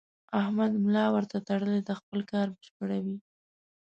احمد ملا ورته تړلې ده؛ خپل کار بشپړوي.